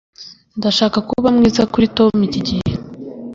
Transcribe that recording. ndashaka ko uba mwiza kuri tom iki gihe